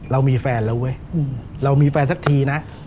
เรามีแฟนแล้วเว้ยเรามีแฟนสักทีนะ